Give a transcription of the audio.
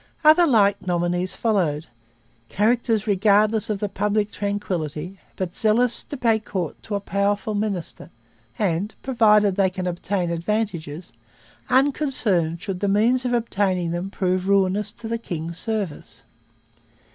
Other like nominees followed, 'characters regardless of the public tranquility but zealous to pay court to a powerful minister and provided they can obtain advantages unconcerned should the means of obtaining them prove ruinous to the King's service.'